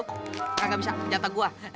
kagak bisa jatah gue